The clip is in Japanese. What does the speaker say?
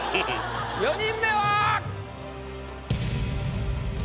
４人目は。